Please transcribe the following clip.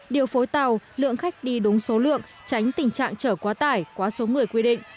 điều phối tàu lượng khách đi đúng số lượng tránh tình trạng trở quá tải quá số người quy định